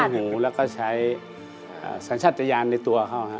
หูแล้วก็ใช้สัญชาติยานในตัวเขา